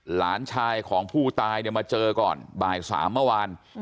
หลานชายของผู้ตายเนี่ยมาเจอก่อนบ่าย๓เมื่อวาน